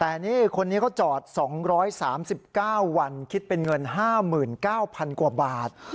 แต่นี่คนนี้เขาจอด๒๓๙วันคิดเป็นเงิน๕๙๐๐กว่าบาท